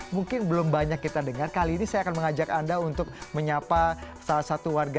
mungkin belum banyak kita dengar kali ini saya akan mengajak anda untuk menyapa salah satu warga